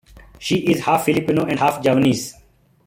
She is half-Filipino and half-Javanese.